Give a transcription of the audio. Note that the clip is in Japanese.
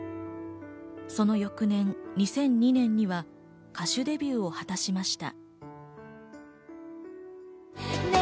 その翌年、２００２年には歌手デビューを果たしました。